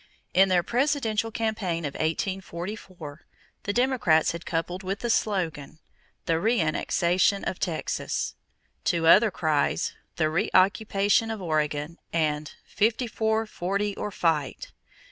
In their presidential campaign of 1844, the Democrats had coupled with the slogan, "The Reannexation of Texas," two other cries, "The Reoccupation of Oregon," and "Fifty four Forty or Fight."